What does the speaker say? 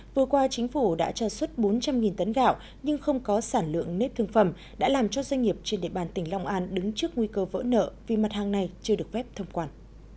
vừa qua chính phủ đã cho xuất bốn trăm linh tấn gạo nhưng không có sản lượng nếp thương phẩm đã làm cho doanh nghiệp trên địa bàn tỉnh long an đứng trước nguy cơ vỡ nợ vì mặt hàng này chưa được phép thông quan